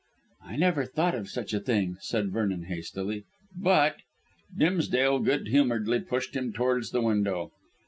"I never thought of such a thing," said Vernon hastily, "but " Dimsdale good humouredly pushed him towards the window.